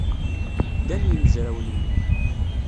Ddan yimezrawen-nni.